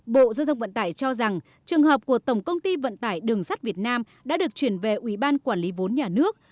bộ giao thông vận tải cho rằng trường hợp của tổng công ty vận tải đường sắt việt nam đã được chuyển về ủy ban quản lý vốn nhà nước